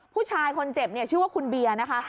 ผู้ชายคนเจ็บเนี่ยชื่อว่าคุณเบียร์นะคะ